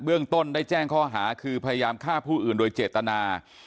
เรื่องต้นได้แจ้งข้อหาคือพยายามฆ่าผู้อื่นโดยเจตนา